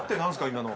今の。